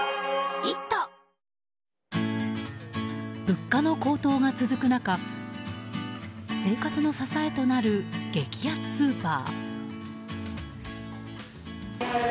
物価の高騰が続く中生活の支えとなる激安スーパー。